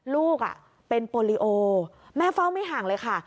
ลูกเป็นโปรลิโอแม่เฝ้าไม่ห่างเลยค่ะ